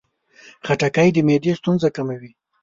خټکی د معدې ستونزې کموي.